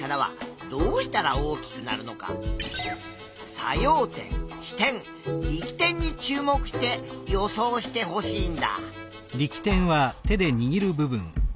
作用点支点力点に注目して予想してほしいんだ。